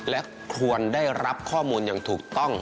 และควรได้รับข้อมูลอย่างถูกต้อง